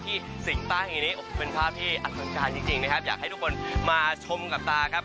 ที่สิงฟ้าแห่งนี้โหเป็นภาพที่อัศวินการจริงนะครับอยากให้ทุกคนมาชมกับตาครับ